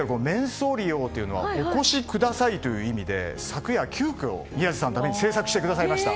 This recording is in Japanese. そーりよーというのはお越しくださいという意味で昨夜急きょ、宮司さんのために制作していただきました。